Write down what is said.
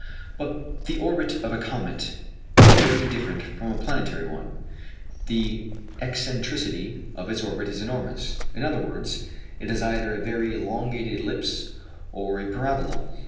But the orbit of a comet is very different from a planetary one. The excentricity of its orbit is enormous in other words, it is either a very elongated ellipse or a parabola.